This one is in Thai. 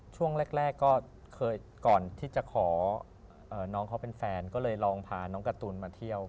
ช่วงแรกก็เคยก่อนที่จะขอน้องเขาเป็นแฟนก็เลยลองพาน้องการ์ตูนมาเที่ยว